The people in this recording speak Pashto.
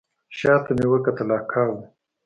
شا ته مې وکتل اکا و.